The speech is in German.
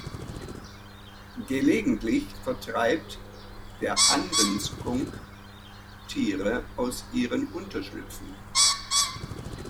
Gelegentlich vertreibt der Anden-Skunk Tiere aus ihren Unterschlüpfen.